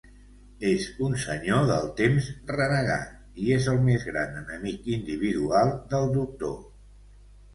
És un senyor del Temps renegat, i és el més gran enemic individual del Doctor.